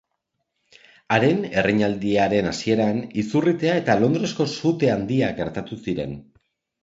Haren erreinaldiaren hasieran izurritea eta Londresko Sute Handia gertatu ziren.